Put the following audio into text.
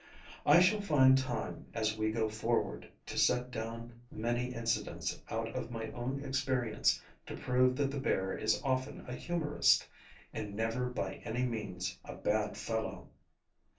I shall find time, as we go forward, to set down many incidents out of my own experience to prove that the bear is often a humorist, and never by any means a bad fellow.